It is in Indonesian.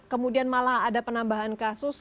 kemudian malah ada penambahan kasus